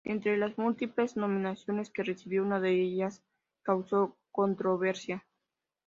Entre las múltiples nominaciones que recibió, una de ellas causó controversia.